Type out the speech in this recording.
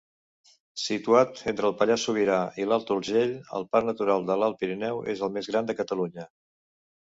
Situat entre el Pallars Sobirà i l'Alt Urgell, el Parc Natural de l'Alt Pirineu és el més gran de Catalunya.